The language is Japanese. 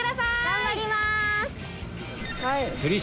頑張ります！